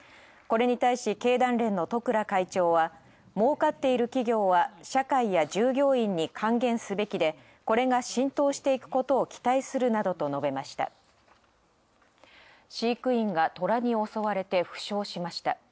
これに対し、経団連の十倉会長は「儲かっている企業は、社会や従業員に還元すべきでこれが浸透していくことを期待する」などと述べました。